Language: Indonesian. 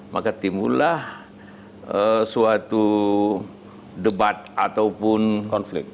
maka timbullah suatu debat ataupun konflik